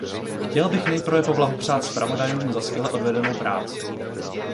Chtěl bych nejprve poblahopřát zpravodajům za skvěle odvedenou práci.